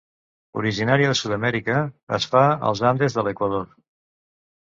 Originària de Sud-amèrica, es fa als Andes de l'Equador.